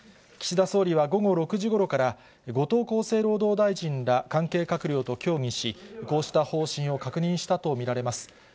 岸田総理は午後６時ごろから、後藤厚生労働大臣ら関係閣僚と協議し、こうした方針を確認したと見られます。